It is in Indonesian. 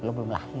lo belum lahir